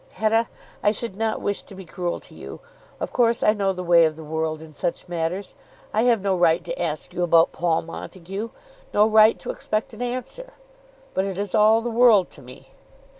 "Hetta, I should not wish to be cruel to you. Of course I know the way of the world in such matters. I have no right to ask you about Paul Montague, no right to expect an answer. But it is all the world to me.